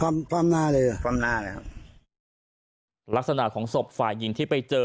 ฟว่ำหน้าเลยความหน้าเลยครับลักษณะของศพฝ่ายหญิงที่ไปเจอ